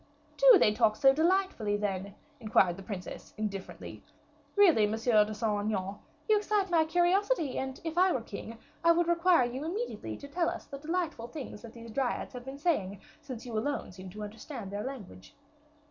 "Do they talk so delightfully, then?" inquired the princess, indifferently. "Really, Monsieur de Saint Aignan, you excite my curiosity; and, if I were the king, I would require you immediately to tell us what the delightful things are these Dryads have been saying, since you alone seem to understand their language."